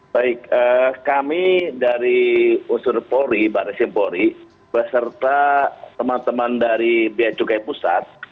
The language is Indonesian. baik kami dari usurpori barres krimpori beserta teman teman dari beacukai pusat